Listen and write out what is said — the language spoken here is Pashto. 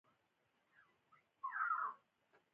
د احمد غويی د علي پر غوا وخوت.